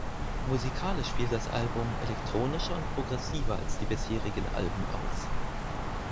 Musikalisch fiel das Album elektronischer und progressiver als die bisherigen Alben aus.